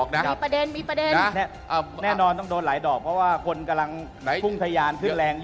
แน่นอนต้องโดนหลายดอกเพราะว่าคนกำลังพุ่งทรยานขึ้นแรง